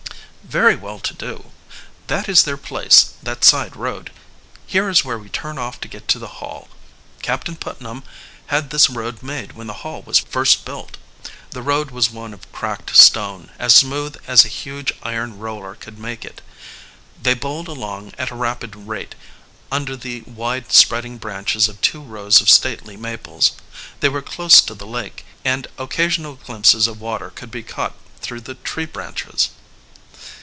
"Very well to do. That is their place, that side road. Here is where we turn off to get to the Hall. Captain Putnam had this road made when the Hall was first built." The road was one of cracked stone, as smooth as a huge iron roller could make it. They bowled along at a rapid rate, under the wide spreading branches of two rows of stately maples. They were close to the lake, and occasional glimpses of water could be caught through the tree branches.